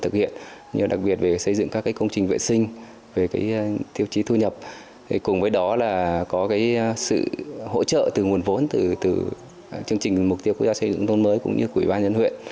từ chương trình mục tiêu quốc gia xây dựng nông thôn mới cũng như quỹ ban nhân huyện